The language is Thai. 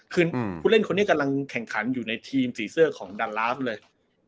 คือผู้เล่นคนนี้กำลังแข่งขันอยู่ในทีมสีเสื้อของดาราฟเลย